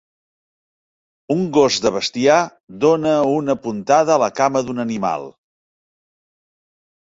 Un gos de bestiar dona una puntada a la cama d'un animal.